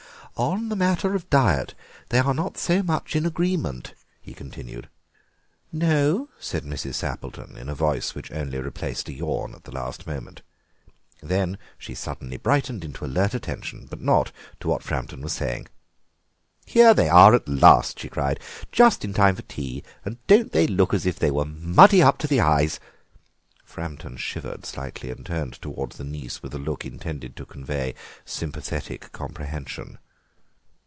"On the matter of diet they are not so much in agreement," he continued. "No?" said Mrs. Sappleton, in a voice which only replaced a yawn at the last moment. Then she suddenly brightened into alert attention—but not to what Framton was saying. "Here they are at last!" she cried. "Just in time for tea, and don't they look as if they were muddy up to the eyes!" Framton shivered slightly and turned towards the niece with a look intended to convey sympathetic comprehension.